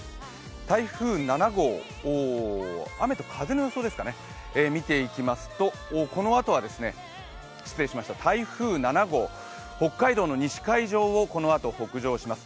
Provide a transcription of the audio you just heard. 台風７号、雨と風の予報を見ていきますと北海道の西海上をこのあと北上します。